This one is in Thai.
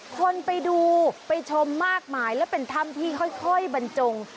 คนไปดูไปชมมากมายและเป็นถ้ำที่ค่อยบรรจง